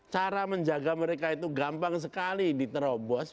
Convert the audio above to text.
cara menjaga mereka itu gampang sekali diterobos